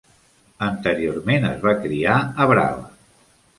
Anteriorment es va criar a Brava.